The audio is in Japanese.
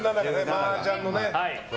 マージャンのね。